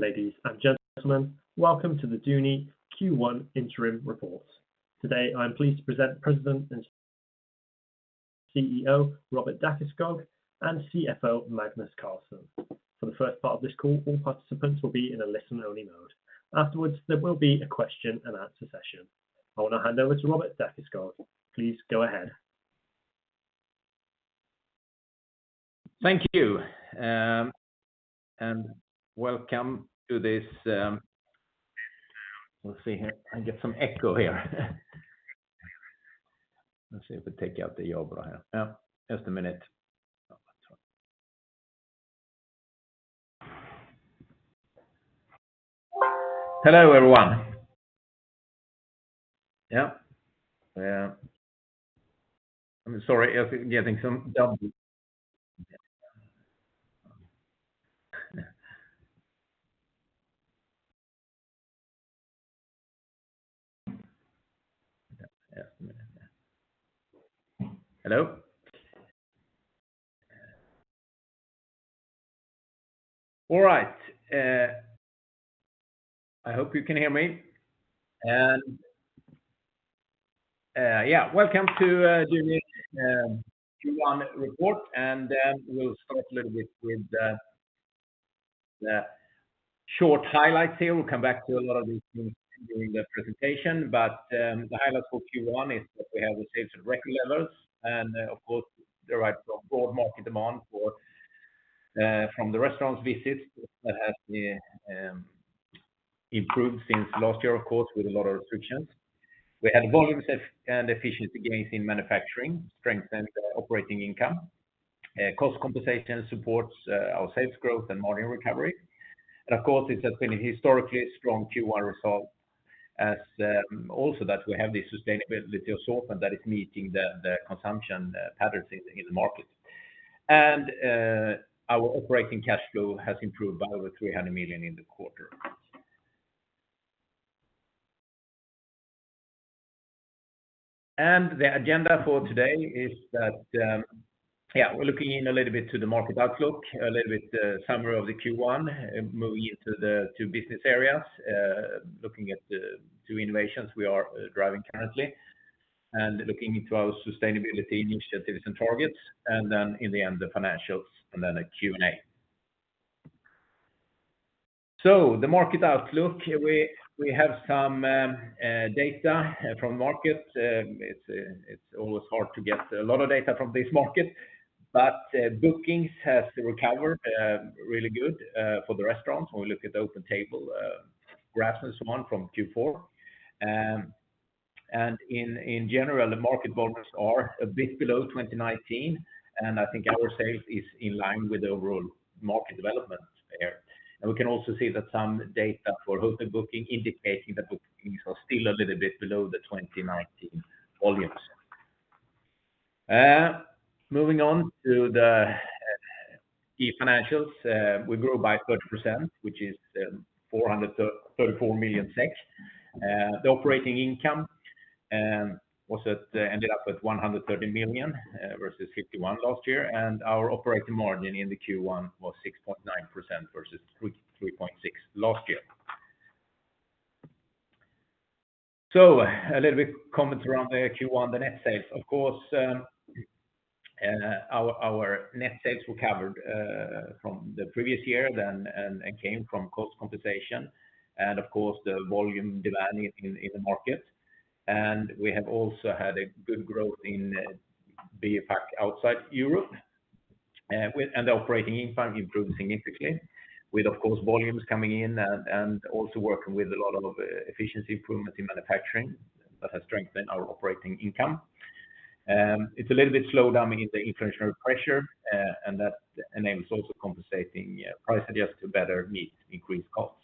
Ladies and gentlemen, welcome to the Duni Q1 interim report. Today, I'm pleased to present President and CEO, Robert Dackeskog, and CFO, Magnus Carlsson. For the first part of this call, all participants will be in a listen-only mode. Afterwards, there will be a question and answer session. I want to hand over to Robert Dackeskog. Please go ahead. Thank you. Welcome to this. Let's see here. I get some echo here. Let's see if we take out the Hello, everyone. I'm sorry. Hello? All right. I hope you can hear me. Welcome to Duni Q1 report. We'll start a little bit with the short highlights here. We'll come back to a lot of these things during the presentation. The highlights for Q1 is that we have the sales at record levels, the right broad market demand from the restaurant visits that have improved since last year, of course, with a lot of restrictions. We had volumes and efficiency gains in manufacturing, strengthened operating income. Cost compensation supports our sales growth and margin recovery. Of course, it has been a historically strong Q1 result as also that we have this sustainability assortment that is meeting the consumption patterns in the market. Our operating cash flow has improved by over 300 million in the quarter. The agenda for today is that, yeah, we're looking in a little bit to the market outlook, a little bit the summary of the Q1, moving into the two business areas, looking at the two innovations we are driving currently, and looking into our sustainability initiatives and targets, and then in the end, the financials, and then a Q&A. The market outlook, we have some data from market. It's always hard to get a lot of data from this market, but bookings has recovered really good for the restaurants. When we look at the OpenTable graphs and so on from Q4. In general, the market volumes are a bit below 2019, and I think our sales is in line with the overall market development there. We can also see that some data for hotel booking indicating that bookings are still a little bit below the 2019 volumes. Moving on to the financials. We grew by 30%, which is 434 million SEK. The operating income ended up at 130 million versus 51 million last year. Our operating margin in the Q1 was 6.9% versus 3.6% last year. A little bit comments around the Q1, the net sales. Of course, our net sales recovered from the previous year then, and came from cost compensation. Of course, the volume demand in the market. We have also had a good growth in BioPak outside Europe. The operating income improved significantly with, of course, volumes coming in and also working with a lot of efficiency improvement in manufacturing that has strengthened our operating income. It's a little bit slow down in the inflationary pressure, and that enables also compensating price adjust to better meet increased costs.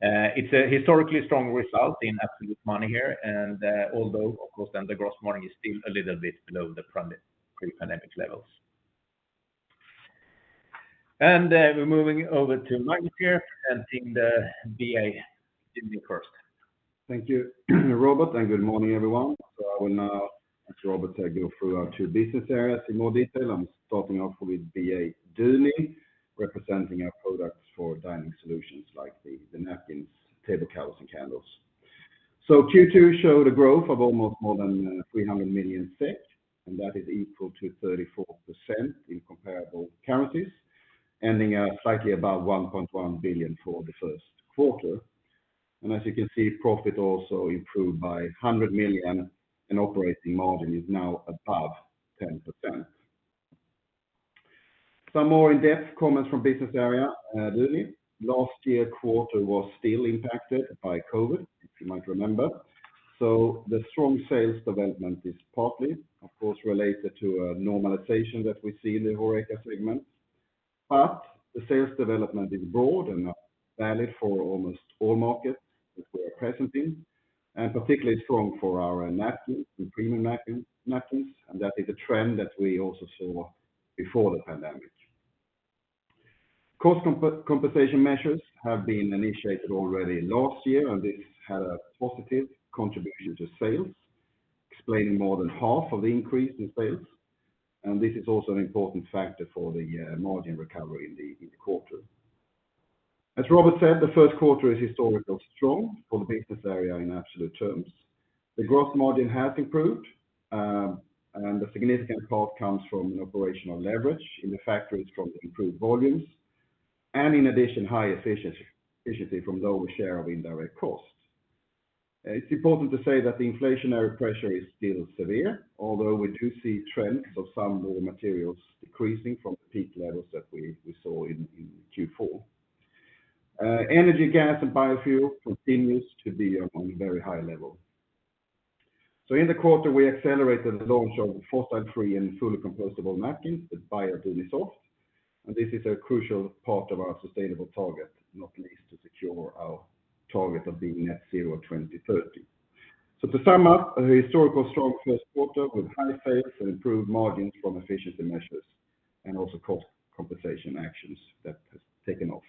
It's a historically strong result in absolute money here, although, of course, the gross margin is still a little bit below the pre-pandemic levels. We're moving over to Magnus here, presenting the BA business first. Thank you, Robert. Good morning, everyone. I will now, as Robert said, go through our two business areas in more detail. I'm starting off with BA Duni, representing our products for dining solutions like the napkins, table covers, and candles. Q2 showed a growth of almost more than 300 million, and that is equal to 34% in comparable currencies, ending at slightly above 1.1 billion for the first quarter. As you can see, profit also improved by 100 million, and operating margin is now above 10%. Some more in-depth comments from Business Area Duni. Last year quarter was still impacted by COVID, if you might remember. The strong sales development is partly, of course, related to a normalization that we see in the HoReCa segment. The sales development is broad and valid for almost all markets that we are present in, particularly strong for our napkins, the premium napkins. That is a trend that we also saw before the pandemic. Cost compensation measures have been initiated already last year, and this had a positive contribution to sales. Explaining more than half of the increase in sales, and this is also an important factor for the margin recovery in the quarter. As Robert said, the first quarter is historically strong for the business area in absolute terms. The growth margin has improved, and the significant part comes from operational leverage in the factories from the improved volumes, and in addition, high efficiency from lower share of indirect costs. It's important to say that the inflationary pressure is still severe, although we do see trends of some raw materials decreasing from the peak levels that we saw in Q4. Energy, gas, and biofuel continues to be on very high level. In the quarter, we accelerated the launch of fossil free and fully compostable napkins, the Bio Dunisoft, and this is a crucial part of our sustainable target, not least to secure our target of being net zero 2030. To sum up, a historical strong first quarter with high sales and improved margins from efficiency measures and also cost compensation actions that has taken off.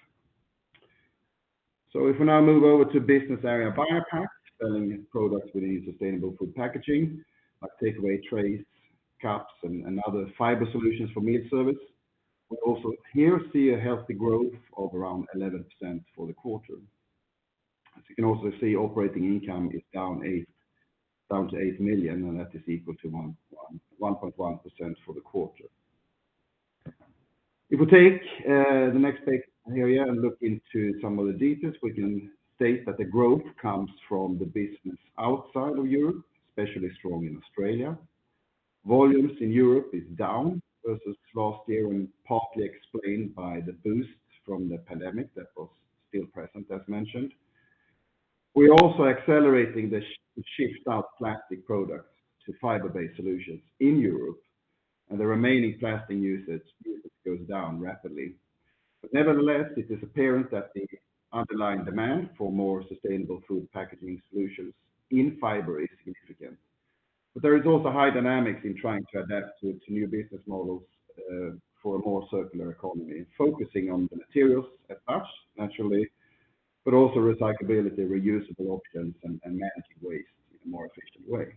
If we now move over to Business Area BioPak, selling products within sustainable food packaging, like takeaway trays, cups, and other fiber solutions for meal service. We also here see a healthy growth of around 11% for the quarter. As you can also see, operating income is down to 8 million, and that is equal to 1.1% for the quarter. If we take the next page area and look into some of the details, we can state that the growth comes from the business outside of Europe, especially strong in Australia. Volumes in Europe is down versus last year and partly explained by the boost from the pandemic that was still present, as mentioned. We're also accelerating the shift out plastic products to fiber-based solutions in Europe, and the remaining plastic usage goes down rapidly. Nevertheless, it is apparent that the underlying demand for more sustainable food packaging solutions in fiber is significant. There is also high dynamics in trying to adapt to new business models for a more circular economy, focusing on the materials at first, naturally, but also recyclability, reusable options, and managing waste in a more efficient way.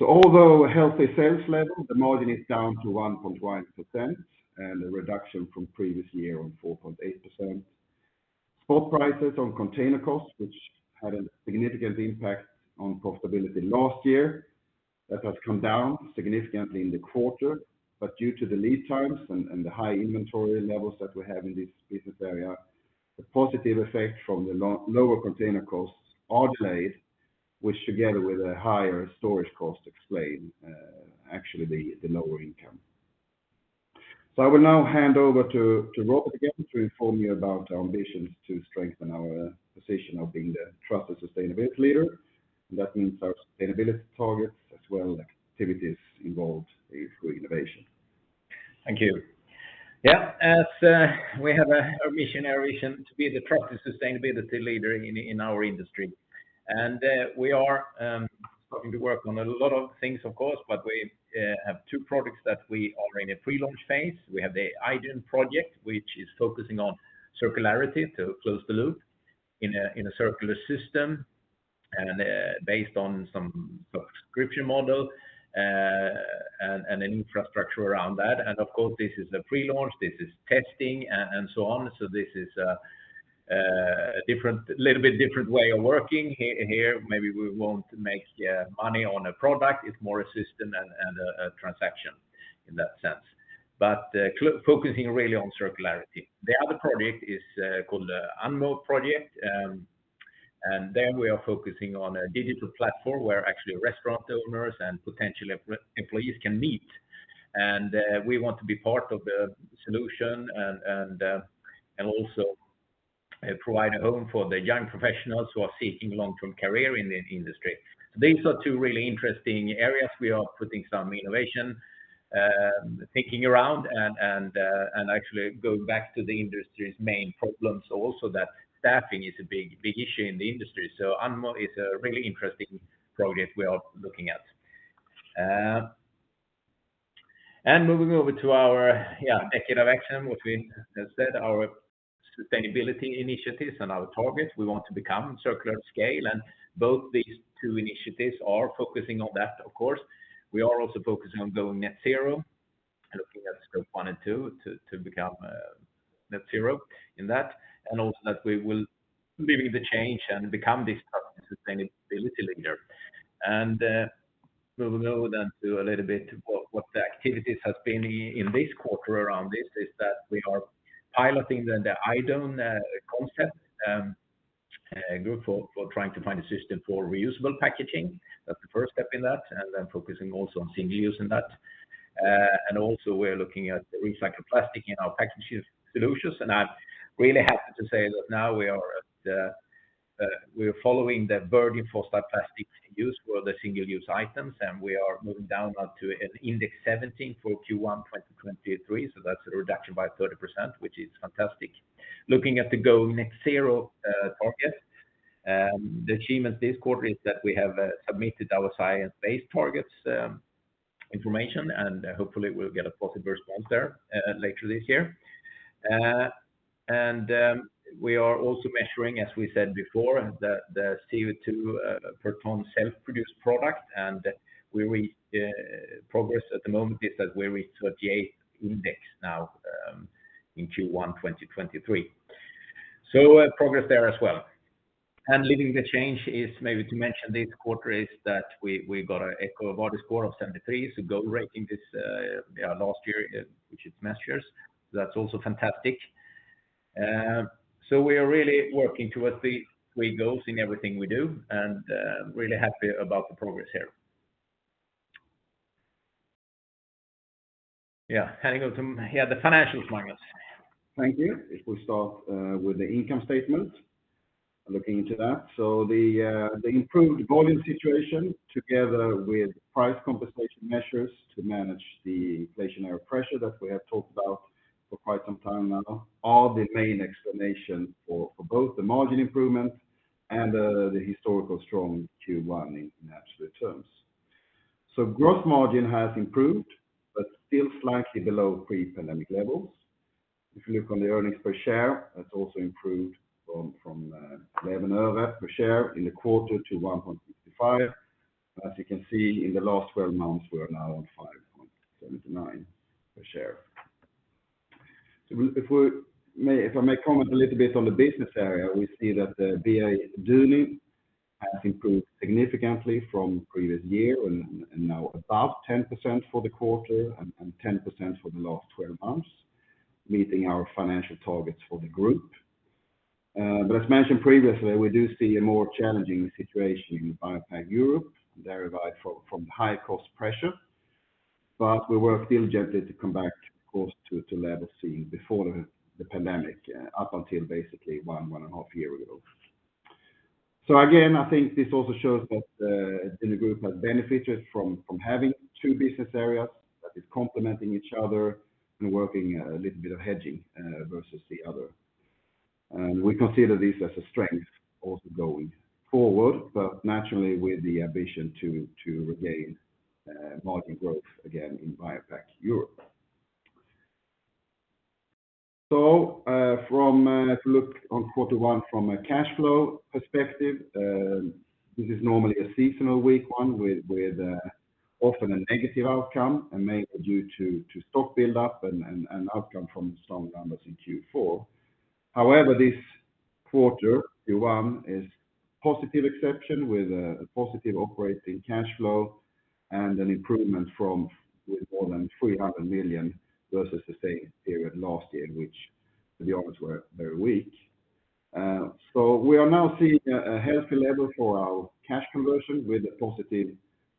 Although a healthy sales level, the margin is down to 1.1%, and a reduction from previous year on 4.8%. Spot prices on container costs, which had a significant impact on profitability last year, that has come down significantly in the quarter. Due to the lead times and the high inventory levels that we have in this business area, the positive effect from the lower container costs are delayed, which together with a higher storage cost explain actually the lower income. I will now hand over to Robert again to inform you about our ambitions to strengthen our position of being the trusted sustainability leader. That means our sustainability targets as well activities involved in food innovation. Thank you. Yeah, as we have a, our mission, our vision to be the trusted sustainability leader in our industry. We are starting to work on a lot of things of course, but we have two products that we are in a pre-launch phase. We have the IDUN project, which is focusing on circularity to close the loop in a, in a circular system and based on some subscription model and infrastructure around that. Of course, this is a pre-launch, this is testing and so on. This is a different, little bit different way of working here. Maybe we won't make money on a product. It's more a system and a transaction in that sense. Focusing really on circularity. The other project is called Unmo project. Then we are focusing on a digital platform where actually restaurant owners and potential employees can meet. We want to be part of the solution and also provide a home for the young professionals who are seeking long-term career in the industry. These are two really interesting areas. We are putting some innovation thinking around and actually going back to the industry's main problems also that staffing is a big issue in the industry. Unmo is a really interesting project we are looking at. Moving over to our, yeah, decade of action, which we have said our sustainability initiatives and our targets, we want to become circular scale. Both these two initiatives are focusing on that of course. We are also focusing on going net zero, looking at Scope 1 and 2 to become net zero in that. Also that we will be the change and become this trusted sustainability leader. We'll go then to a little bit what the activities have been in this quarter around this is that we are piloting the IDUN concept group for trying to find a system for reusable packaging. That's the first step in that, and then focusing also on single use in that. Also we're looking at recycled plastic in our packaging solutions. I'm really happy to say that now we are following the virgin plastic use for the single use items, and we are moving down now to an index 17 for Q1 2023. That's a reduction by 30%, which is fantastic. Looking at the net zero target, the achievement this quarter is that we have submitted our science-based targets, and hopefully we'll get a positive response there later this year. We are also measuring, as we said before, the CO2 per ton self-produced product, and we progress at the moment is that we reached 38 index now in Q1 2023. Progress there as well. Leading the change is maybe to mention this quarter is that we got a EcoVadis score of 73, so gold rating this, yeah, last year, which is this year's. That's also fantastic. We are really working towards these three goals in everything we do, and really happy about the progress here. Yeah, handing over yeah, the financials, Magnus. Thank you. If we start with the income statement, looking into that. The improved volume situation together with price compensation measures to manage the inflationary pressure that we have talked about for quite some time now are the main explanation for both the margin improvement and the historical strong Q1 in absolute terms. Growth margin has improved but still slightly below pre-pandemic levels. If you look on the earnings per share, that's also improved from SEK 0.11 per share in the quarter to 1.55. As you can see in the last 12 months, we are now on 5.79 per share. If I may comment a little bit on the business area, we see that the BA in Duni has improved significantly from previous year and now about 10% for the quarter and 10% for the last 12 months, meeting our financial targets for the group. As mentioned previously, we do see a more challenging situation in BioPak Europe, thereby from high cost pressure. We work diligently to come back, of course, to level seen before the pandemic up until basically one and a half year ago. Again, I think this also shows that Duni Group has benefited from having two business areas that is complementing each other and working a little bit of hedging versus the other. We consider this as a strength also going forward, but naturally with the ambition to regain margin growth again in BioPak Europe. From if you look on quarter one from a cash flow perspective, this is normally a seasonal weak one with often a negative outcome and mainly due to stock build-up and outcome from strong numbers in Q4. However, this quarter, Q1, is positive exception with a positive operating cash flow and an improvement from with more than 300 million versus the same period last year, which the numbers were very weak. We are now seeing a healthy level for our cash conversion with a positive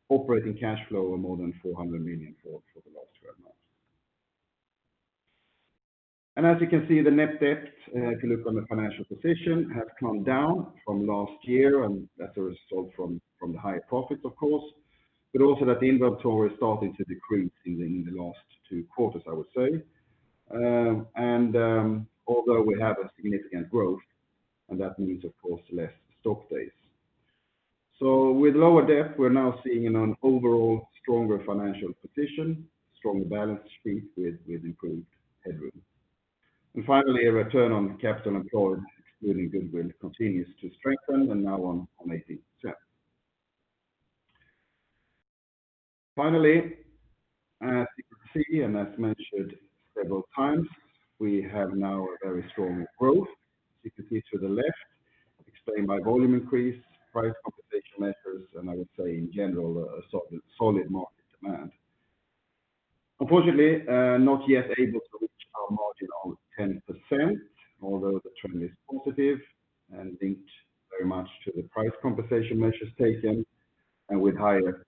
operating cash flow of more than 400 million for the last 12 months. As you can see, the net debt, if you look on the financial position, has come down from last year and that's a result from the high profits of course, but also that the inventory is starting to decrease in the last two quarters, I would say. Although we have a significant growth and that means of course less stock days. With lower debt, we're now seeing an overall stronger financial position, stronger balance sheet with improved headroom. Finally, a Return on Capital Employed excluding goodwill continues to strengthen and now on 18%. Finally, as you can see, and as mentioned several times, we have now a very strong growth, as you can see to the left, explained by volume increase, price compensation measures, and I would say in general a so-solid market demand. Unfortunately, not yet able to reach our margin of 10%, although the trend is positive and linked very much to the price compensation measures taken and with higher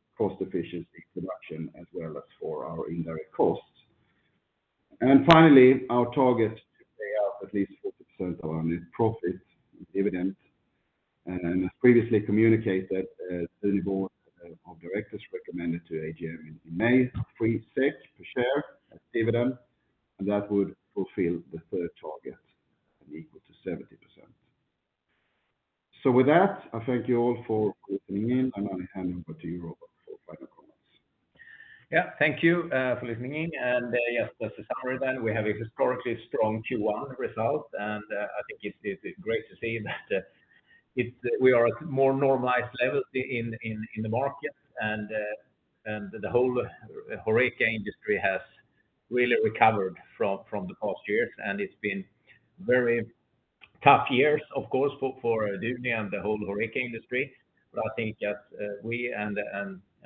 cost-efficiency production as well as for our indirect costs. Finally, our target to pay out at least 40% of our net profits in dividends, and as previously communicated, Duni board of directors recommended to AGM in May 3 per share as dividend, and that would fulfill the third target and equal to 70%. With that, I thank you all for listening in, and I hand over to you, Robert, for final comments. Yeah. Thank you for listening in. Yes, as a summary then, we have a historically strong Q1 result, and I think it's great to see that we are at more normalized levels in the market and the whole HoReCa industry has really recovered from the past years. It's been very tough years, of course, for Duni and the whole HoReCa industry. I think that we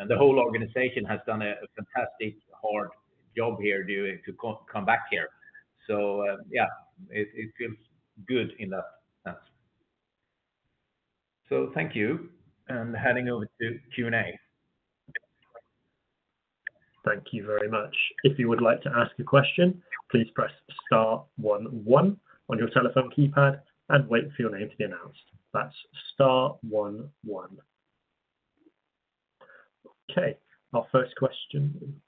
and the whole organization has done a fantastic hard job here to come back here. Yeah, it feels good in that sense. Thank you, and handing over to Q&A. Thank you very much. If you would like to ask a question, please press star one one on your telephone keypad and wait for your name to be announced. That's star one one. Okay. Our first question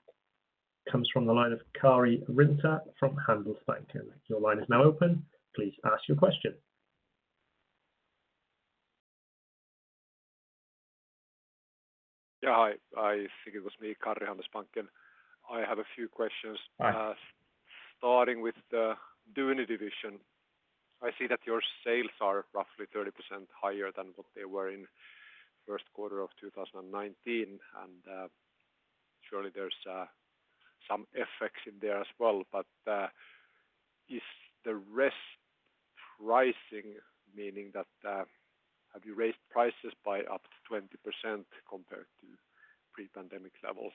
comes from the line of Karri Rinta from Handelsbanken. Your line is now open. Please ask your question. Yeah. Hi. I think it was me, Karri, Handelsbanken. I have a few questions. All right. Starting with the Duni division. I see that your sales are roughly 30% higher than what they were in first quarter of 2019, and, surely there's, some effects in there as well, but, is the rest pricing meaning that, have you raised prices by up to 20% compared to pre-pandemic levels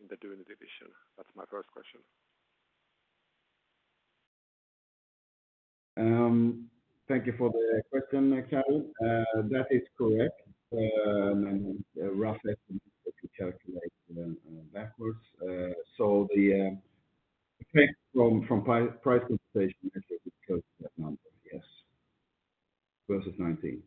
in the Duni division? That's my first question. Thank you for the question, Karri. That is correct. A rough estimate that we calculate then, backwards. The effect from price compensation should close to that number. Yes. Versus 2019.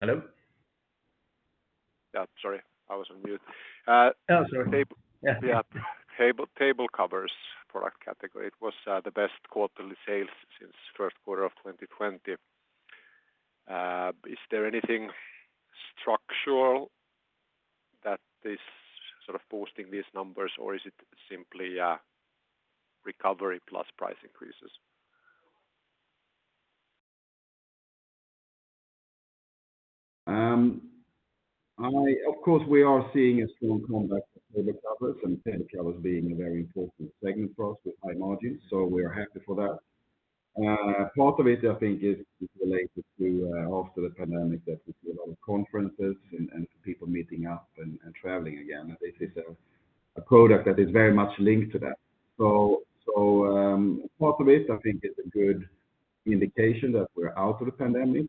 Hello? Yeah. Sorry, I was on mute. Oh, sorry. Table- Yeah. Yeah. Table covers product category. It was the best quarterly sales since first quarter of 2020. Is there anything structural that is sort of boosting these numbers, or is it simply a recovery plus price increases? Of course, we are seeing a strong comeback with table covers. Table covers being a very important segment for us with high margins, we are happy for that. Part of it, I think, is related to after the pandemic that we see a lot of conferences and people meeting up and traveling again. This is a product that is very much linked to that. Part of it I think is a good indication that we're out of the pandemic.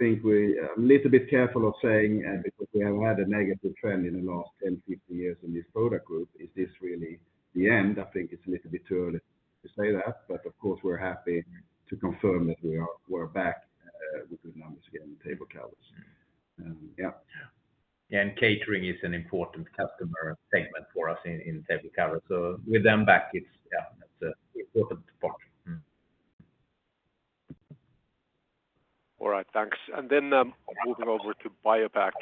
I think we are a little bit careful of saying because we have had a negative trend in the last 10, 15 years in this product group, is this really the end? I think it's a little bit too early to say that, but of course, we're happy to confirm that we're back with good numbers again in table covers. Yeah. Yeah. Catering is an important customer segment for us in table covers. With them back, it's important to partner. All right. Thanks. Moving over to BioPak.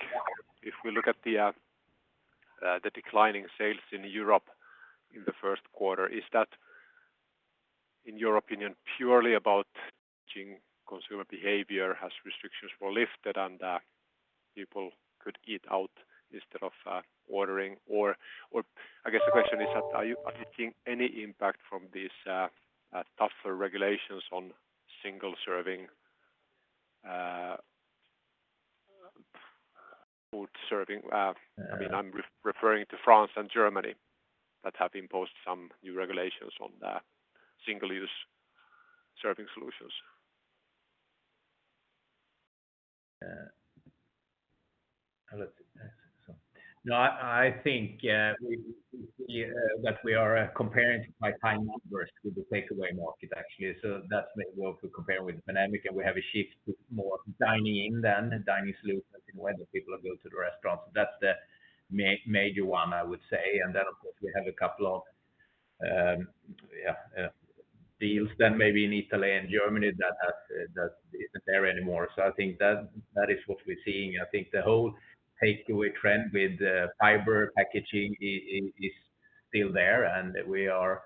If we look at the declining sales in Europe in the first quarter, is that, in your opinion, purely about changing consumer behavior as restrictions were lifted and people could eat out instead of ordering? I guess the question is that are you expecting any impact from these tougher regulations on single serving food serving? Yeah. I mean, I'm re-referring to France and Germany that have imposed some new regulations on the single-use serving solutions. Let's see. No, I think we that we are comparing by time onwards with the takeaway market, actually. That's maybe what we compare with the pandemic, and we have a shift to more dining in than dining solutions in when the people go to the restaurants. That's the major one, I would say. Of course, we have a couple of deals then maybe in Italy and Germany that has that isn't there anymore. I think that is what we're seeing. I think the whole takeaway trend with fiber packaging is still there and we are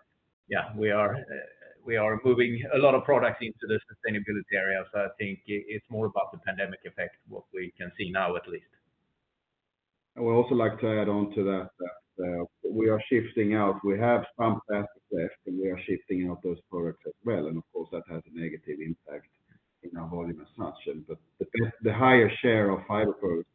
moving a lot of products into the sustainability area. I think it's more about the pandemic effect, what we can see now at least. I would also like to add on to that we are shifting out. We have some assets left, and we are shifting out those products as well, and of course that has a negative impact in our volume as such. The higher share of fiber products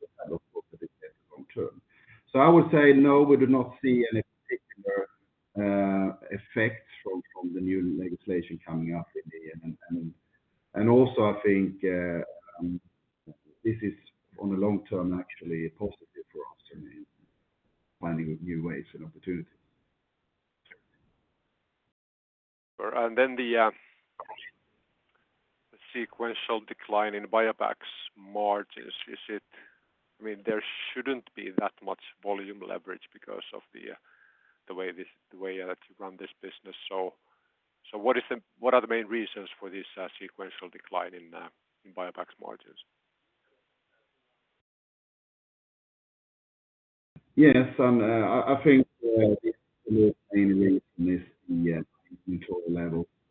that have, of course, a different long term. I would say no, we do not see any particular effects from the new legislation coming up in the. Also I think this is on the long term actually positive for us in finding new ways and opportunities. Sure. Then the sequential decline in BioPak margins, I mean, there shouldn't be that much volume leverage because of the way that you run this business, so what are the main reasons for this sequential decline in BioPak margins? Yes. I think the main reason is the material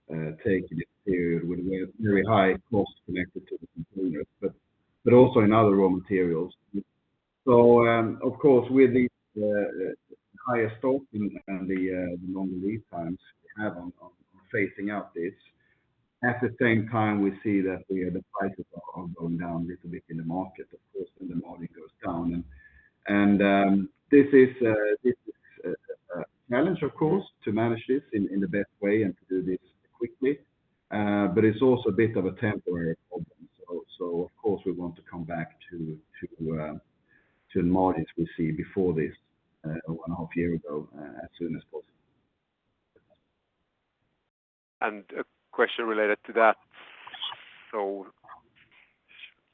level, taken this period with a very high cost connected to the containers, but also in other raw materials. Of course, with the higher stock and the longer lead times we have on facing out this, at the same time, we see that the prices are going down a little bit in the market, of course, when the margin goes down. This is a challenge of course to manage this in the best way and to do this quickly. It's also a bit of a temporary problem. Of course, we want to come back to the margins we see before this, one and a half year ago, as soon as possible. A question related to that.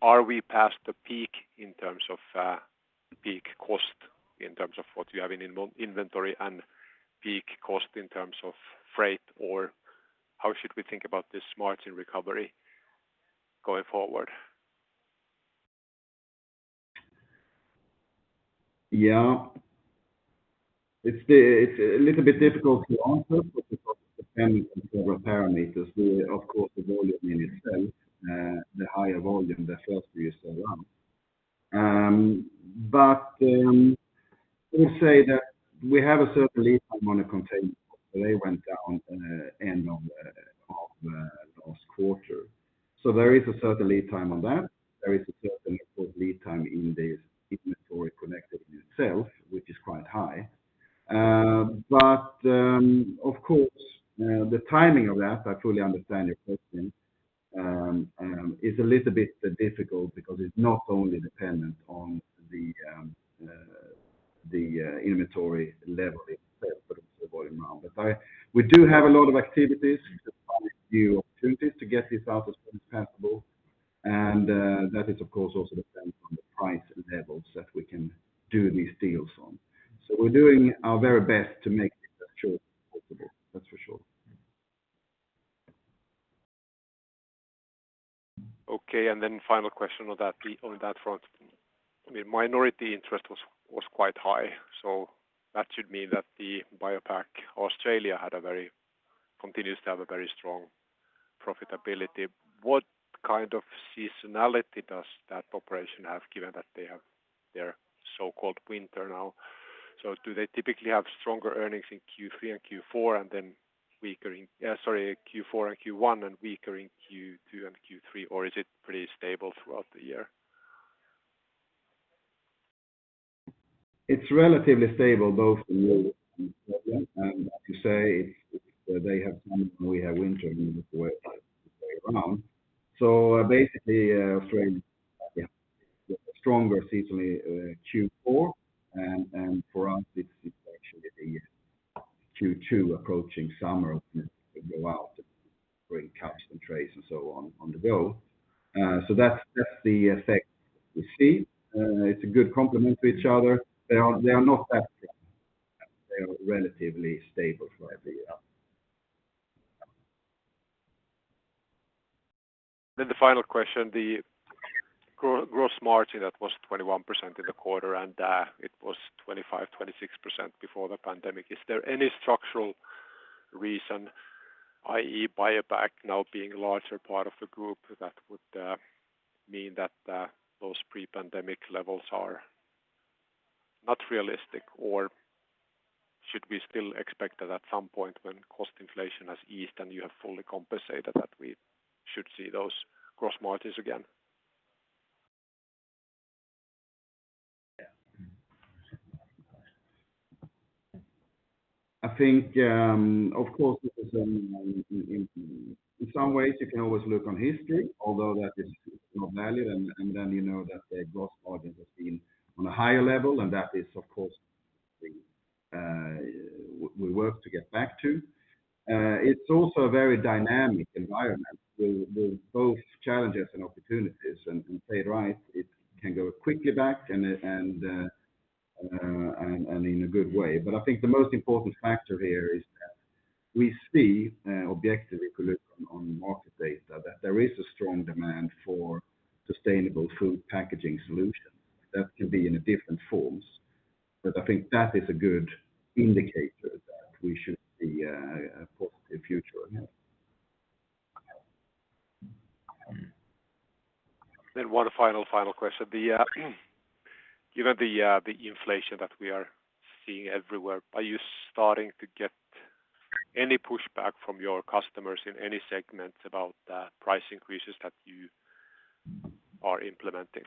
Are we past the peak in terms of peak cost, in terms of what you have in in-inventory and peak cost in terms of freight? How should we think about this margin recovery going forward? Yeah. It's a little bit difficult to answer because it depends on several parameters. Of course, the volume in itself, the higher volume, the first we use around. We'll say that we have a certain lead time on a container. They went down end of the of last quarter. There is a certain lead time on that. There is a certain lead time in the inventory connected in itself, which is quite high. Of course, the timing of that, I fully understand your question, is a little bit difficult because it's not only dependent on the inventory level itself, but also the volume. We do have a lot of activities to find new opportunities to get this out as soon as possible. That is, of course, also depends on the price levels that we can do these deals on. We're doing our very best to make sure it's possible, that's for sure. Okay. Final question on that, on that front. I mean, minority interest was quite high, so that should mean that BioPak Australia continues to have a very strong profitability. What kind of seasonality does that operation have, given that they have their so-called winter now? Do they typically have stronger earnings in Q3 and Q4 and then weaker in, sorry, Q4 and Q1 and weaker in Q2 and Q3, or is it pretty stable throughout the year? It's relatively stable, both in Europe and Australia. Like you say, they have summer, we have winter, and the other way around. For stronger seasonally Q4, and for us, it's actually Q2 approaching summer, and it will go out to bring caps and trays and so on the go. That's the effect we see. It's a good complement to each other. They are not that different. They are relatively stable throughout the year. The final question, the gross margin, that was 21% in the quarter, and, it was 25%, 26% before the pandemic. Is there any structural reason, i.e. BioPak now being a larger part of the group that would mean that those pre-pandemic levels are not realistic? Or should we still expect that at some point when cost inflation has eased and you have fully compensated, that we should see those gross margins again? Yeah. I think, of course, in, in some ways, you can always look on history, although that is of no value. You know that the gross margin has been on a higher level, and that is, of course, the we work to get back to. It's also a very dynamic environment with both challenges and opportunities. Play it right, it can go quickly back and, and in a good way. I think the most important factor here is that we see, objectively, if you look on market data, that there is a strong demand for sustainable food packaging solutions. That can be in different forms. I think that is a good indicator that we should see a positive future ahead. One final question. The given the inflation that we are seeing everywhere, are you starting to get any pushback from your customers in any segments about the price increases that you are implementing?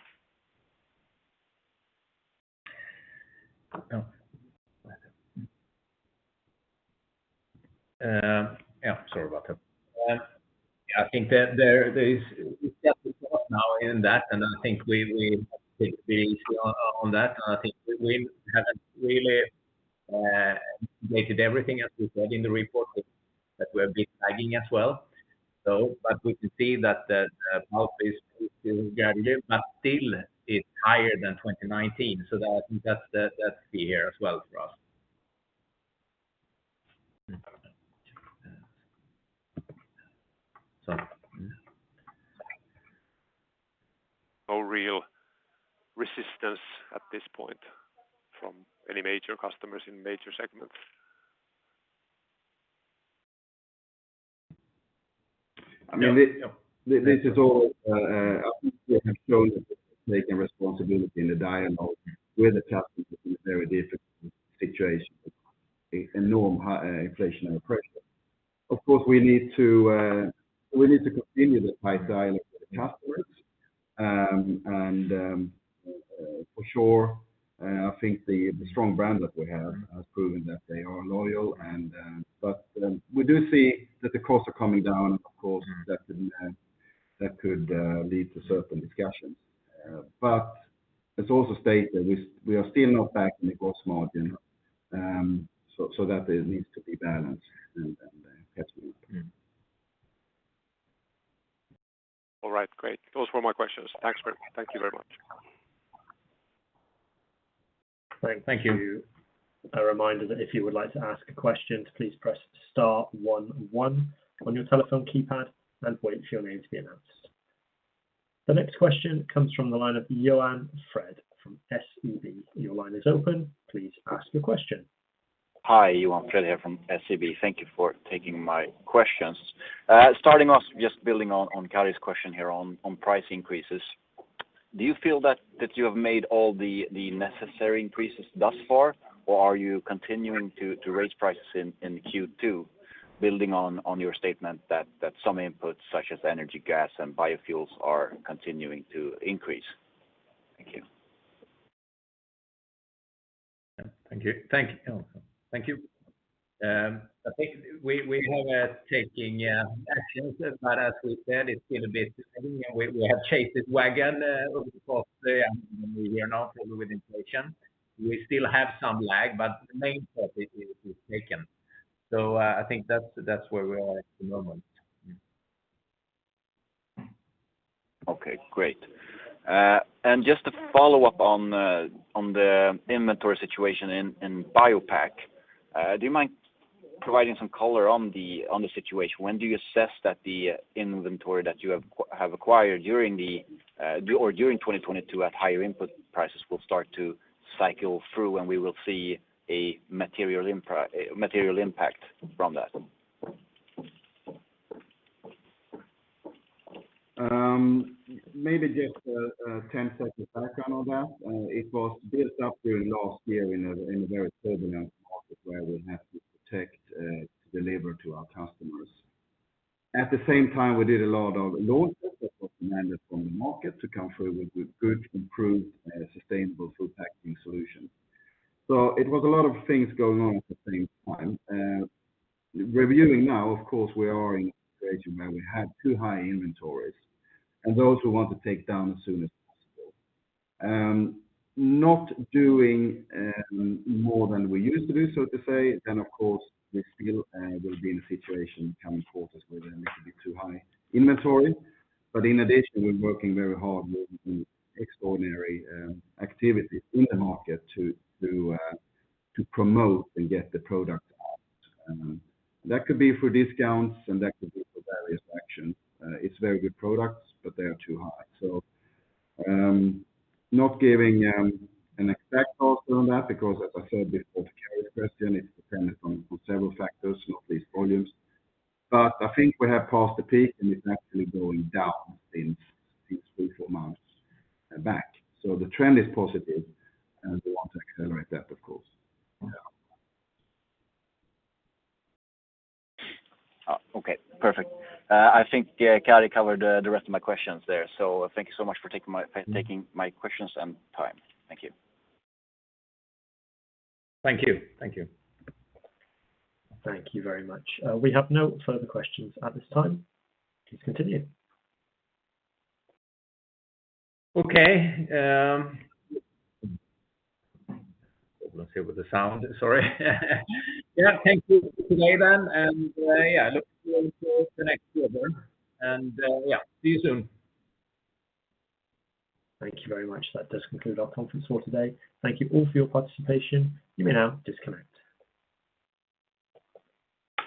Yeah. Sorry about that. Yeah, I think that there is definitely talk now in that, I think we have taken the issue on that. I think we haven't really communicated everything as we said in the report that we're a bit lagging as well. We can see that the mouthpiece is still getting there, but still is higher than 2019. That, I think that's the, that's the year as well for us. No real resistance at this point from any major customers in major segments? I mean, this is all, I think we have shown that we're taking responsibility in the dialogue with the customers in a very difficult situation with enormous high inflation and pressure. Of course, we need to continue the tight dialogue with the customers. For sure, I think the strong brand that we have has proven that they are loyal, and but we do see that the costs are coming down, of course. That could lead to certain discussions. It's also stated we are still not back in the gross margin. So that it needs to be balanced and carefully. All right, great. Those were my questions. Thank you very much. Great. Thank you. A reminder that if you would like to ask a question, please press star one one on your telephone keypad and wait for your name to be announced. The next question comes from the line of Johan Fred from SEB. Your line is open. Please ask your question. Hi. Johan Fred here from SEB. Thank you for taking my questions. Starting off just building on Karri's question here on price increases, do you feel that you have made all the necessary increases thus far, or are you continuing to raise prices in Q2? Building on your statement that some inputs such as energy, gas, and biofuels are continuing to increase. Thank you. Thank you. Thank you. I think we have taking actions, but as we said, it's been a bit and we have chased this wagon, of course, we are not over with inflation. We still have some lag, but the main step is taken. I think that's where we are at the moment. Okay, great. Just to follow up on the inventory situation in BioPak, do you mind providing some color on the situation? When do you assess that the inventory that you have acquired during or during 2022 at higher input prices will start to cycle through, and we will see a material impact from that? Maybe just a 10-second background on that. It was built up during last year in a very turbulent market where we have to protect the labor to our customers. At the same time, we did a lot of a lot was demanded from the market to come through with good, improved sustainable food packaging solutions. It was a lot of things going on at the same time. Reviewing now, of course, we are in a situation where we had too high inventories, and those we want to take down as soon as possible. Not doing more than we used to do, so to say, of course, we still will be in a situation coming quarters where there may be too high inventory. In addition, we're working very hard with extraordinary activity in the market to promote and get the product out. That could be for discounts, that could be for various actions. It's very good products, but they are too high. Not giving an exact answer on that because as I said before to Karri's question, it's dependent on several factors, not least volumes. I think we have passed the peak, and it's actually going down in these three, four months back. The trend is positive, and we want to accelerate that, of course. Okay, perfect. I think, yeah, Karri covered the rest of my questions there. Thank you so much for taking my questions and time. Thank you. Thank you. Thank you. Thank you very much. We have no further questions at this time. Please continue. Okay, Problems here with the sound. Sorry. Yeah. Thank you for today then, and, yeah, look forward for the next quarter. Yeah, see you soon. Thank you very much. That does conclude our conference call today. Thank you all for your participation. You may now disconnect.